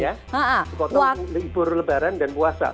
sekotong ibur lebaran dan puasa